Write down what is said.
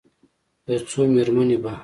یو څو میرمنې به،